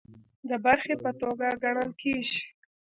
د برخې په توګه ګڼل کیږي